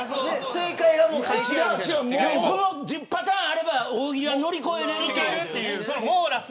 １０パターンあれば大喜利乗り越えられるっていう。